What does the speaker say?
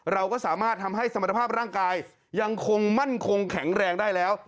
เราก็สามารถทำให้สมรรถภาพร่างกายยังคงมั่นคงแข็งแรงได้แล้ว